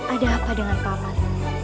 ada apa dengan paman